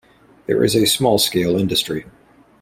There is small scale industry.